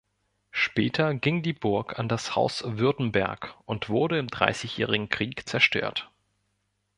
Später ging die Burg an das Haus Württemberg und wurde im Dreißigjährigen Krieg zerstört.